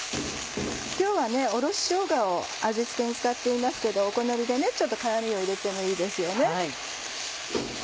今日はおろししょうがを味付けに使っていますけどお好みでちょっと辛みを入れてもいいですよね。